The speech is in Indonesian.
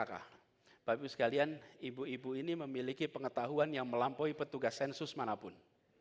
bapak ibu sekalian ibu ibu ini memiliki pengetahuan yang melampaui petugas sensus manapun